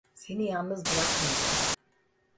Seni yalnız bırakmayacağım.